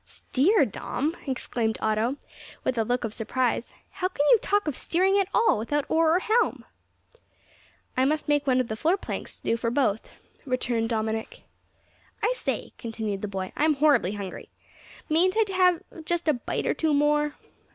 "Steer, Dom," exclaimed Otto, with a look of surprise; "how can you talk of steering at all, without oar or helm?" "I must make one of the floor planks do for both," returned Dominick. "I say," continued the boy, "I'm horribly hungry. Mayn't I have just a bite or two more?"